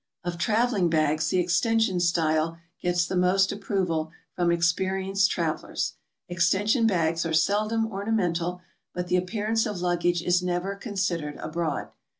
Of traveling bags, the extension style gets the most approval from experienced travelers. Extension bags are seldom ornamental, but the appearance of luggage is never considered abroad.